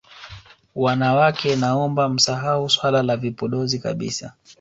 Wanawake naomba msahau swala la vipodozi kabisa